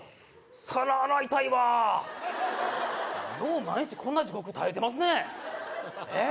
皿洗いたいわよう毎日こんな地獄耐えてますねええ？